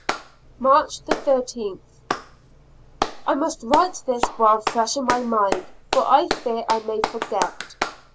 March 13. I must write this while fresh in my mind, for fear I may forget.